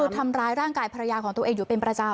ทำร้ายร่างกายภรรยาของตัวเองอยู่เป็นประจำ